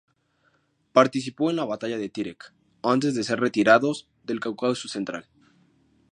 Participó en la batalla de Terek, antes de ser retirados del Cáucaso central.